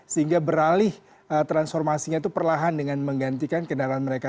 sehingga beralih transformasinya itu perlahan dengan menggantikan kendaraan mereka